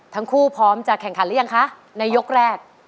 ทั้งคู่พร้อมจะแข่งขันแล้วยังคะในยกแรก